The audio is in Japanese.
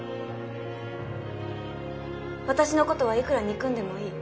私の事はいくら憎んでもいい。